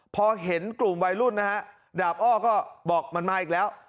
พอเห็นกลุ่มวัยรุ่นนะฮะดาบอ้อก็บอกมันมาอีกแล้ว